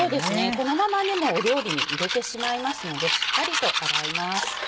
このままもう料理に入れてしまいますのでしっかりと洗います。